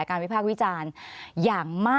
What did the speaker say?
ขอบคุณครับ